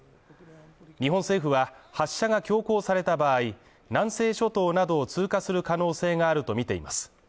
日本政府は、発射が強行された場合、南西諸島などを通過する可能性があるとみています。